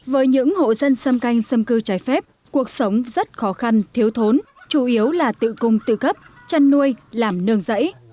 với những hộ dân xâm canh xâm cư trái phép cuộc sống rất khó khăn thiếu thốn chủ yếu là tự cung tự cấp chăn nuôi làm nương rẫy